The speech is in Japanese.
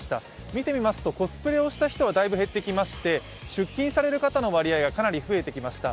見てみますとコスプレをした人はだいぶ減ってきまして出勤される方の割合がかなり増えてきました。